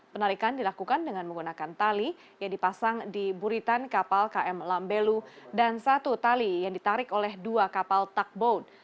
penarikan dilakukan dengan menggunakan tali yang dipasang di buritan kapal km lambelu dan satu tali yang ditarik oleh dua kapal tugboat